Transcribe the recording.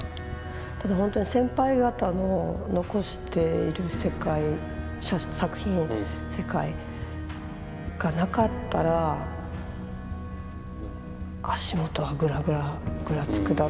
ただほんとに先輩方の残している世界作品世界がなかったら足元はグラグラぐらつくだろうな。